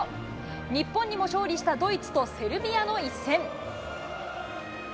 日本にも勝利したドイツとセルビアの一戦。